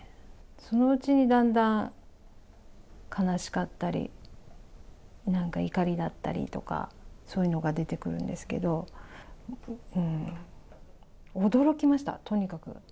そのうちにだんだん悲しかったり、なんか怒りだったりとか、そういうのが出てくるんですけど、驚きました、とにかく。